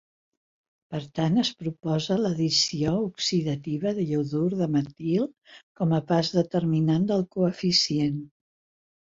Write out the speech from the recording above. Per tant, es proposa l'addició oxidativa de iodur de metil com a pas determinant del coeficient.